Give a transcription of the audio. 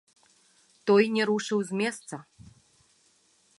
Той не рушыў з месца.